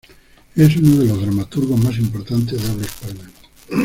Es uno de los dramaturgos más importantes de habla hispana.